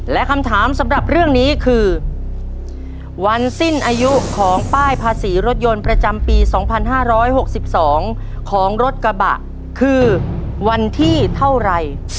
และคำถามสำหรับเรื่องนี้คือวันสิ้นอายุของป้ายภาษีรถยนต์ประจำปี๒๕๖๒ของรถกระบะคือวันที่เท่าไร